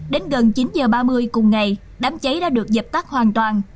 đến gần chín giờ ba mươi cùng ngày đám cháy đã được dập tắt hoàn toàn